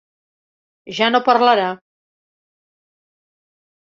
Ja no parlarà.